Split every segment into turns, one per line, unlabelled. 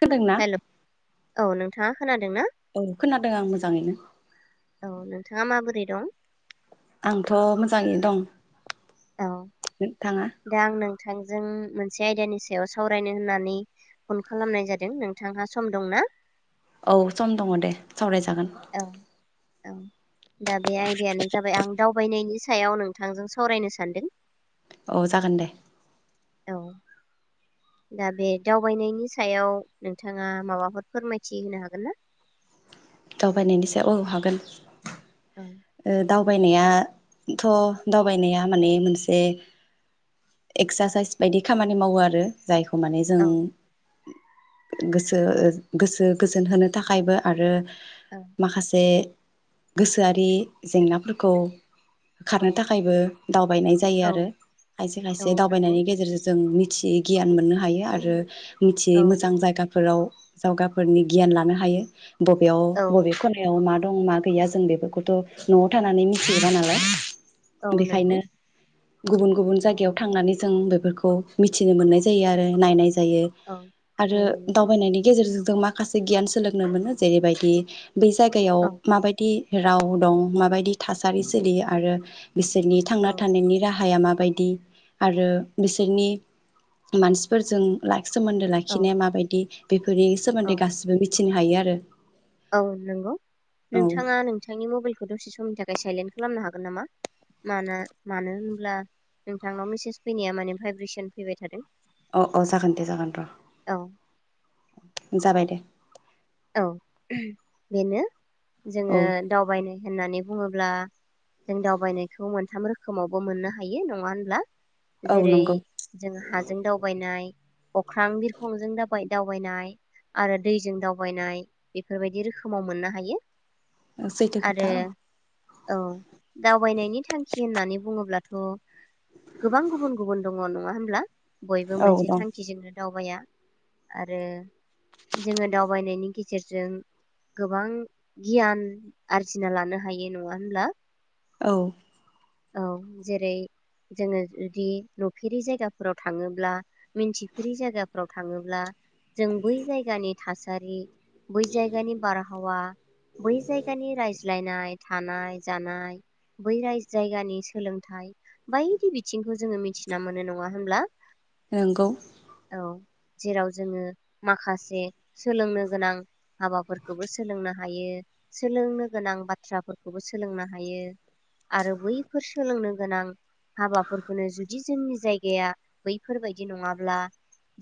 खोनादोंना
हेलौ औ नों था खोना दों ना
औ खोनादों आं मोजाङैनो
औ नोंथाङा माबोरै दं?
आंथ' मोजाङै दं
औ
नोंथाङा
दा आं नोंथां जों मोनसे आयदानि सायाव सावरायनो होननानै फन खालामनाय जादों नोंथांहा सम दंना?
औ सम दङ दे सावराय जागो
औ
जागोन।
औ दा बे आयदायानो जाबाय आं दावबायनायनि सायाव नोंथांजों सावरायनो सानदों
औ जागोन दे।
औ दा बे दावबायनायनि सायाव नोंथाङा माबाफोर फोरमायथि होनो हागोन ना?
दावबायनायनि सायाव औ हागोन।
औ
ओ दाव दावबायनायाथ' दावबायनाया माने मोनसे एक्सारसाइस बायदि खामानि मावो आरो। जायखौ माने जों।
औ
गोसो गोसो गोजोन होनो थाखायबो आरो
औ
माखासे गोसोआरि जेंनाफोरखौ खारनो थाखायबो दावबायनाय जायो
औ
आरो खायसे
औ
खायसे
नंगौ
दावबायनायनि गेजेरजों जों मि मोनसे गियान मोननो हायो आरो। मिथियै
औ
मोजां जायगा फोराव जावगाफोरनि गियान लानो हायो।
औ
बबेयाव बबे खनायाव मा दं मा गैया जों बेफोरखौथ' न'आव थानानै मिथिजोबा नालाय
औ नंगौ।
बेखायनो गुबुन गुबुन जायगायाव थांनानै जों बेफोरखौ मिथिनो मोननाय जायो आरो नायनाय जायो। जायो।
औ औ
आरो
नंगौ
दावबायनायनि गेजेरजों जों माखासे गियान सोलोंनो मोनो जेरैबायदि बै जायगायाव
औ
माबायदि राव दं। माबायदि थासारि सोलियो आरो बिसोरनि
औ
थांना थानायनि राहाया मा बायदि आरो बिसोरनि मानसिफोरजों राय सोमोन्दो
औ
लाखिनाया माबायदि नि सोमोन्दै
औ
गासिबो मिथि हायो आरो
औ नंगौ
औ
नोंथाङा नोंथांनि मबाइलखौ दसे समनि थाखाय साइलेन्ट खालामनो हागोन नामा मान मानो होनब्ला नोंथांनाव मेसेज फैनाया माने भाइब्रेसन फैबाय थादों।
अ अ जागोन दे जागोन र'
औ
जाबाय दे।
औ [unintelligible] बेनो
औ
जोङो दावबायनो होननानै। बुङोब्ला जों दावबायनायखौ मोनथाम रोखोमावबो मोननो हायो। नङा होनब्ला?
औ
जेरै
नंगौ
जों हाजों दावबायनाय अख्रां बिरखंजों दाबाय दावबायनाय आरो दैजों दाव बायनाय बेफोरबायदि रोखोमाव मोननो हायो
ओ सैथो
आरो
खोथा ओं
औ दावबायनायनि थांखि होननानै बुङोब्लाथ' गोबां गुबुन गुबुन दङ। नङा होनब्ला? बयबो
औ औ
मोनसे
दं
थांखिजोंनो दावबाया आरो जोङो दाव बायनायनि गेजेरजों गोबां गियान आरजिना लानो हायो। नङा होनब्ला?
औ
औ जेरै जोङो जुदि नुफेरि जायगाफोराव थाङोब्ला मिन्थिफेरि जायगाफोराव थाङोब्ला जों बै जायगानि थासारि बै जायगानि बारहावा बै जायगानि रायज्लायनाय थानाय जानाय बै रायज जायगानि सोलोंथाइ बायदि बिथिंखौ जोङो मिथिना मोनो। नङा होनब्ला?
नोंगौ
जेराव जोङो माखासे सोलोंनो गोनां हाबाफोरखौबो सोलोंनो हायो सोलोंनो गोनां बाथ्राफोरखौबो सोलोंनो हायो। आरो बैफोर सोलोंनो गोनां हाबाफोरखौनो जुदि जोंनि जायगाया बैफोरबायदि नङाब्ला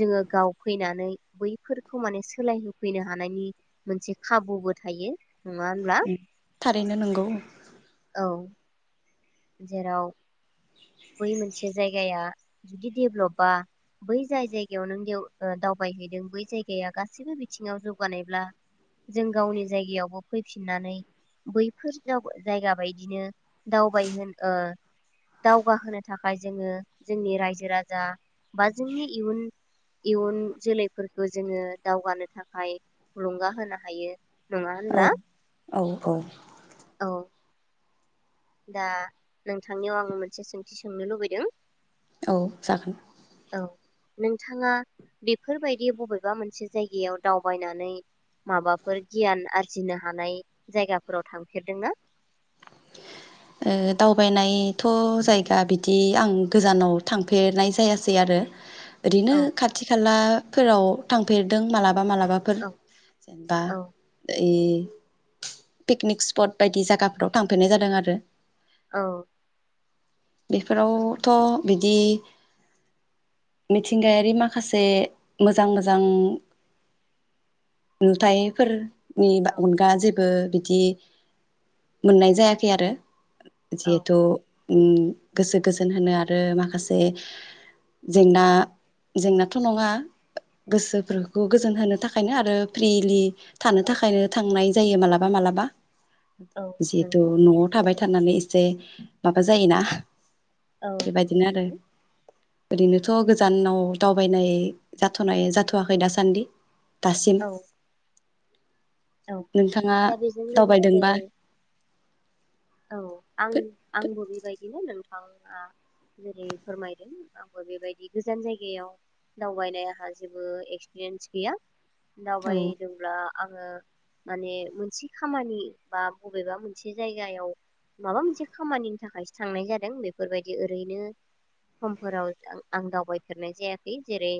जोङो गाव फैनानै बैफोरखौ माने सोलाय होफैनो हानायनि मोनसे खाबुबो थायो नङा होनब्ला
थारैनो नंगौ।
औ जेराव बै मोनसे जायगाया जुदि डेभ्लपबा बै जाय जायगायाव नों देव ओ दावबायहैदों बै जायगाया गासैबो बिथिङाव जौगानायब्ला जों गावनि जायगायावबो फैफिननानै बैफोर जाव जायगा बायदिनो दावबाय होन ओ दाव गवा होनो थाखाय जोङो जोंनि रायजो राजा बा जोंनि इयुन इयुन जोलैफोरखौ जोङो दावगानो थाखाय थुलुंगा होनो हायो। नङा होनब्ला
औ औ औ
औ दा नोंथांनियाव आंबो मोनसे सोंथि सोंनो लुबैदों
औ जागोन।
औ नोंथाङा बेफोरबायदि बबेबा मोनसे जायगायाव दावबायनानै माबाफोर गियान आरजिनो हानाय जायगाफोराव थांफेरदोंना?
ओ दावबायनायथ' जायगा बिदि आं गोजानाव थांफेरनाय जायासै आरो ओरैनो
औ
खाथि खाला फोराव थांफेरदों मालाब? बा मालाबाफोर
औ
जेनबा
औ
ओइ पिकनिक स्पट बायदि जागाफ्राव थांफेनाय जादों आरो
औ औ
बिफोरावथ' बिदि मिथिंगायारि माखासे मोजां मोजां नुथायफोर नि
औ
अनगा जेबो बो बिदि मोननाय जायाखै आरो।
औ
जिहेथु उम गोसो गोजोन होनो आरो माखासे जेंना
औ
जेंनाथ' नङा गोसोफोरखौ गोजोन होनो थाखायनो आरो फ्रिलि थानो
औ
थाखायनो थांनाय जायो मालाबा मालाबा
औ
जिहेथु
नंगौ बे
न'आव थाबाय
सैथो
थानानै एसे ए माबा जायोना।
औ
बेबायदिनो आरो
नंगौ
ओरैनोथ' गोजानाव दावबायनाय जाथ'नाय जाथ'वाखै दासान्दि दासिम
औ औ
नोंथाङा
दा बेजों लोगोसे
दावबायदोंबा
औ आं आंबो बेबाय दिनो नोंथाङा जेरै फोरमायदों आंबो बेबायदि गोजान जायगायाव दावबायनाय आंहा जेबो एक्सपिरियेन्स गैया
औ
दावबायदोंब्ला आङो माने मोनसे खामानि बा बबेबा मोनसे जायगायाव माबा मोनसे खामानिनि थाखायसो थांनाय जादों बेफोरबायदि ओरैनो समफोराव आं दावबायफेरनाय जायाखै जेरै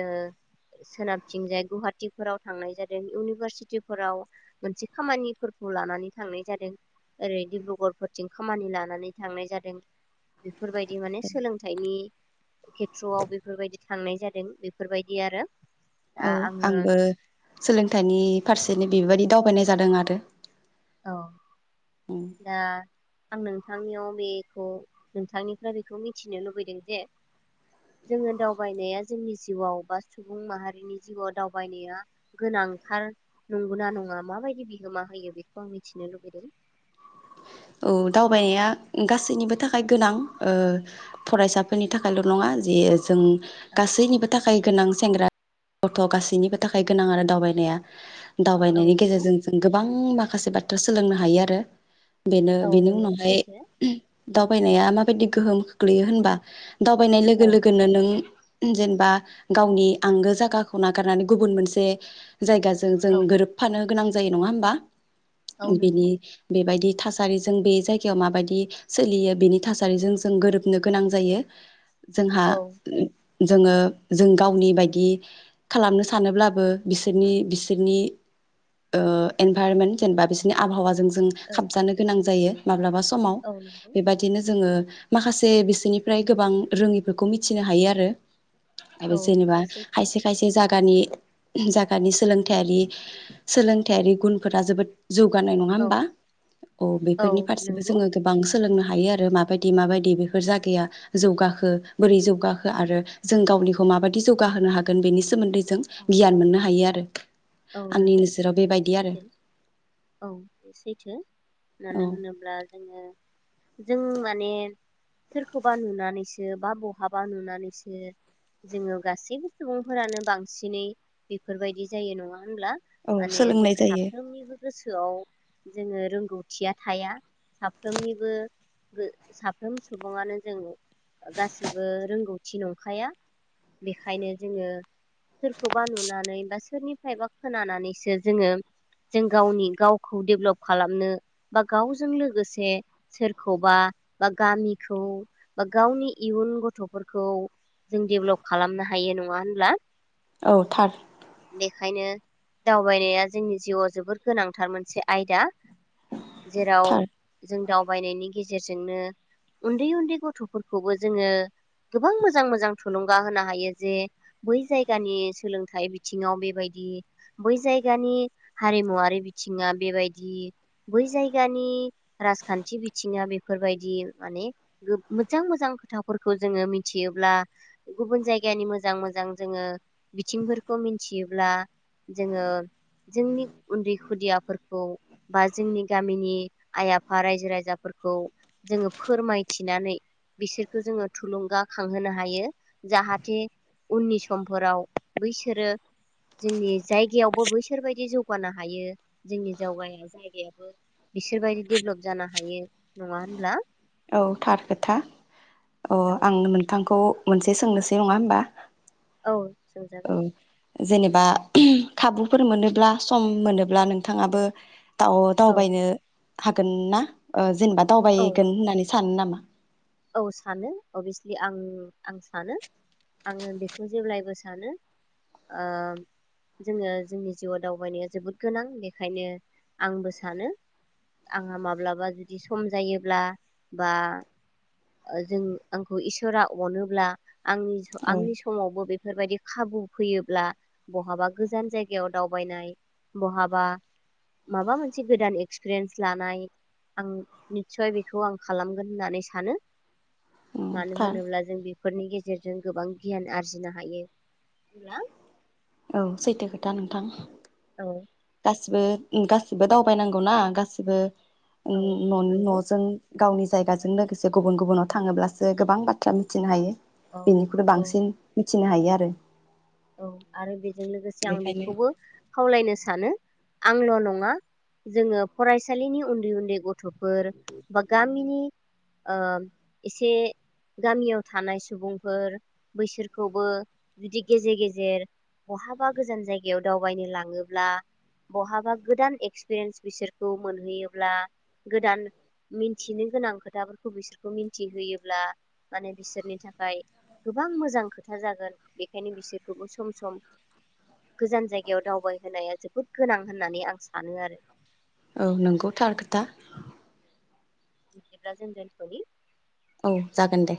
ओ सोनाबथिंजाय गुवाहाटिफोराव थांनाय जादों इउनिभारसिटिफोराव मोनसे खामानिफोरखौ लानानै थांनाय जादों ओरै डिब्रुगरफोरथिं खामानि लानानै थांनाय जादों फोरबायदि माने सोलोंथाइनि खेथ्र'आव बेफोरबायदि सान्नाय जादों बेफोरबायदि आरो दा
औ
आङो
आंबो सोलोंथाइनि फारसेनि बेबादि दावबायनाय जादों आरो
औ दा आं नों थांनियाव बेख' नोंथांनिफ्राय बेखौ मिथिनो लुबैदों जे जोङो दावबायनाया जोंनि जिउआव बा सुबुं माहारिनि जिउआव दावबायनाया गोनांथार नंगौना नङा माबायदि बिहोमा होयो बेख खौ आं मिथिनो लुबैदों।
औ दावबायनाया गासैनिबो थाखाय गोनां ओ फरायसाफोरनि थाखायल' नङा जि जों
औ
गासैनिबो थाखाय गोनांसि सेंग्रा गथ' गासैनिबो थाखाय गोनां आरो दावबायनाया‌।
औ
दावबायनायनि
नंगौ
गेजेरजों जों गोबां मा सासे बाद थ' सोलोंनो हायो आरो बेनो
औ
बिनि
नंगौ
उनावहाय
सैथो
दावबायनाया माबायदि गोहोम खोख्लैयो होनबा दावबायनाय लोगो
औ
लोगोनो नों जेनबा गावनि आंगो जागाखौ नागारनानै गुबुन मोनसे जायगाजों जों
औ
गोरोबफानो गोनां जायो नङा होमबा
औ
बिनि
नंगौ
बेबायदि थासारिजों बे जायगायाव माबायदि सोलियो बिनि थासारिजों जों गोरोबनो गोनां जायो। जोंहा
औ
उम जोङो जों गावनि बायदि खालामनो सानोब्लाबो बिसोरनि बिसोरनि ओ इनभाइरमेन्ट जेनेबा बिस [unintelligible] आबहावाजों जो जों
औ
खाबजानो गोनां जायो माब्लाबा स समाव
औ नंगौ
बेबादिनो जोङो माखासे बिसोनिफ्राय गोबां रोङिफोरखौ मिथिनो हायो आरो। आरो
औ
जेनेबा
सैथो
खायसे खायसे जाग गानि जागानि सोलोंथायारि सोलोंथायारि गुनफोरा जोबोद जौगानाय नङा
औ
होमबा अ
औ
बेफोरनि फारसेबो
नंगौ
जोङो गोबांस सोलोंनो हायो आरो माबायदि माबायदि बेफोर जागाया जौगाखो बोरै जौगाखो आरो जों गावनिखौ माबायदि जौगाहोनो हागोन बेनि सोमोन्दै जों
औ
गियान मोननो हायो आरो।
औ
आंनि
नंगौ
नोजोराव बेबायदि आरो
सैथो औ बे सैथो
औ
मानो होनोब्ला जोङो जों माने सोरखौबा नुनानैसो बा बहाबा नुनानैसो जोङो गासैबो सुबुंफोरानो बांसिनै बिफोरबायदि जायो नङा? होमब्ला
औ
माने जों
सोलोंनाय जायो
साफ्रोमनिबो गोसोआव जोङो रोंगौथिया थाया। साफ्रोमनिबो बो साफ्रोम सुबुङानो जोङो ओ गासैबो रोंगौथि नंखाया बेखायनो जोङो सोरखौबा नुनानै बा सोरनिफ्रायबा खोनानानैसो जोङो जों गावनि गावखौ डेभेलप खालामनो बा गावजों लोगोसे सोरखौबा बा गामिखौ बा गावनि इयुन गथ'फोरखौ जों डेभ्लप खालामनो हायो। नङा होनब्ला?
औ थार
खायनो दावबायनाया जोंनि जिउआव जोबोर गोनांथार मोनसे आयदा जेराव
थार
जों दाउ बायनायनि गेजेरजोंनो उन्दै उन्दै गथ'फोरखौबो जोङो गोबां मोजां मोजां थुलुंगा होनो हायो जे बै जायगानि सोलोंथाइ बिथिङाव बेबायदि बै जायगानि हारिमुवारि बिथिङा बेबायदि बै जायगानि राजखान्थि बिथिङा बेफोरबायदि माने गो मोजां मोजां खोथाफोरखौ जोङो मिथियोब्ला गुबुन जायगानि मोजां मोजां जोङो बिथिंफोरखौ मिनथियोब्ला जोङो जोंनि उन्दै खुदियाफोरखौ बा जोंनि गामिनि आइ आफा रायजो राइजाफोरखौ जोङो फोरमायथिनानै बिसोरखौ जोङो थुलुंगाखांहोनो हायो जाहाथे उननि समफोराव बैसोरो जोंनि जायगायावबो बैसोरबायदि जौगानो हायो जोंनि जौगाया जायगायाबो बिसोरबायदि डेभलप जानो हायो। नङा होनब्ला?
औ थार खोथा अ आं नोंथांखौ मोनसे सोंनोसै नङा होमबा
औ
औ
सोंजागोन।
जेनेबा खाबुफोर मोनोब्ला सम मोनोब्ला नोंथाङाबो
औ
दाव-दावबायनो हागोन ना ओ जेनेबा
औ
दावबायगोन होननानै सानो नामा?
औ सानो अभियसलि आं आं सानो आङो बेखौ जेब्लायबो सानो ओ जोङो जोंनि जिउआव दावबायनाया जोबोद गोनां बेखायनो आंबो सानो आंहा माब्लाबा जुदि सम जायोब्ला बा ओ जों आंखौ इसोरा अनोब्ला आंनि स
औ
आंनि समावबो बे फोरबायदि खाबु फैयोब्ला बहाबा गोजान जायगायाव दावबायनाय बहाबा माबा मोनसे गोदान एक्सपिरियेन्स लानाय आं निसय बेखौ आं खालामगोन होननानै सानो।
उम
मानो
थार
होनोब्ला जों बे फोरनि गेजेरजों गोबां गियान आरजिनो हायो। अब्ला
औ सैथो खोथा नोंथां
औ
सिबो उम गासिबो दावबायनांगौना गासिबो।
औ
उम
नंगौ
ननि-न'जों गावनि जायगाजों लोगोसे गुबुन गुबुनाव थाङोब्लासो गोबां बाथ्रा मिथिनो हायो। बिनिख्रुइ
औ
बांसिन थिनो हायो आरो
औ आरो बे जों लोगोसे आं
बेखायनो
बेखौबो खावलायनो सानो आंल' नङा जोङो फरायसालिनि उन्दै उन्दै गथ थ'फोर बा गामिनि ओ एसे गामियाव थानाय सुबुंफोर बैसोरखौबो जुदि गेजेर गेजेर बहाबा गोजान जायगायाव दावबायनो लाङोब्ला बहाबा गोदान एक्सपिरियेन्स बिसोरखौ मोनहैयोब्ला गोदान मिनथिनो गोनां खोथाफोरखौ बिसोरखौ मिन्थिहोयोब्ला माने बिसोरनि थाखाय गोबां मोजां खोथा जागोन। बे खायनो बिसोरखौबो सम सम गोजान जायगायाव दावबायहोनाया जोबोद गोनां होननानै आं सानो आरो।
औ नोंगौ थार खोथा।
बिदिब्ला जों दोनथ'नि।
औ जागोन दे।